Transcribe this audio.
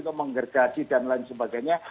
untuk menggergaji dan lain sebagainya